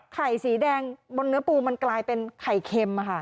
สีแดงบนเนื้อปูมันกลายเป็นไข่เค็มค่ะ